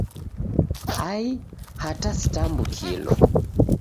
Ai, hata sitambukilo!